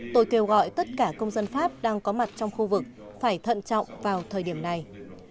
tôi kêu gọi tất cả công dân pháp đang có mặt trong khu vực phải thận trọng vào thời điểm này